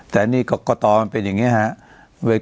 แต่นี่ก็ต่อมันเป็นอย่างนี้ฮะ